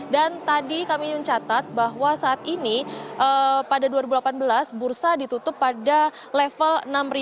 dan tadi kami mencatat bahwa saat ini pada dua ribu delapan belas bursa ditutup pada level enam satu ratus sembilan puluh empat lima